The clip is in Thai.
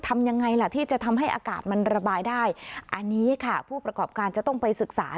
ทำยังไงล่ะที่จะทำให้อากาศมันระบายได้อันนี้ค่ะผู้ประกอบการจะต้องไปศึกษา